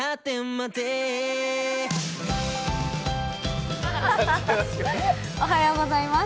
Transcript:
続くおはようございます。